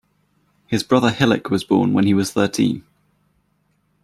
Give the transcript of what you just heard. His brother Hilik was born when he was thirteen.